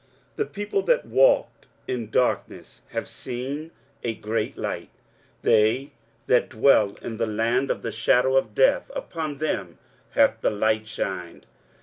23:009:002 The people that walked in darkness have seen a great light: they that dwell in the land of the shadow of death, upon them hath the light shined.